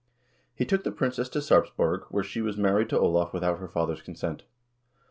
He took the princess to Sarpsborg, where she was married to Olav without her father's consent.